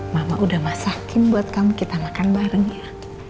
mama udah masakin buat kamu kita makan bareng ya